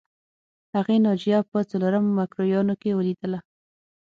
هغې ناجیه په څلورم مکروریانو کې ولیدله